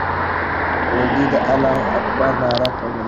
دوی د الله اکبر ناره کوله.